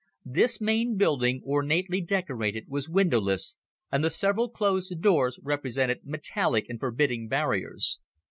This main building, ornately decorated, was windowless, and the several closed doors represented metallic and forbidding barriers.